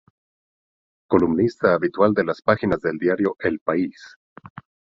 Columnista habitual de las páginas del diario El País.